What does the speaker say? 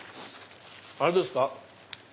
あれですか？